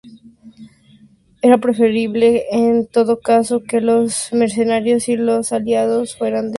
Era preferible, en todo caso, que los mercenarios y los aliados fueran de confianza.